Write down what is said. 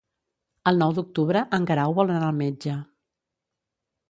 El nou d'octubre en Guerau vol anar al metge.